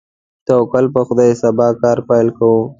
توکل په خدای، سبا کار پیل کوو.